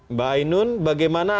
mbak ainun bagaimana